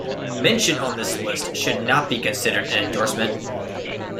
Mention on this list should not be considered an endorsement.